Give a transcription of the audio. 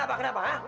eh kenapa kenapa